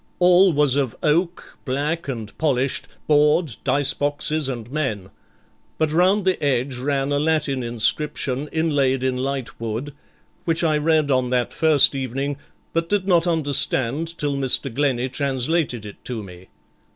All was of oak, black and polished, board, dice boxes, and men, but round the edge ran a Latin inscription inlaid in light wood, which I read on that first evening, but did not understand till Mr. Glennie translated it to me.